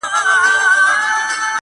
د هغه وخت يو مشهور سړی عبدالغفور وياند.